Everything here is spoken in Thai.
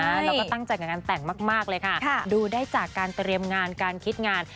แล้วก็ตั้งใจกับงานแต่งมากเลยค่ะดูได้จากการเตรียมงานการคิดงาน